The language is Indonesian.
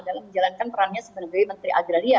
dalam menjalankan perannya sebagai menteri agraria